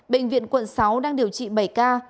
bệnh viện quận sáu đang điều trị bảy ca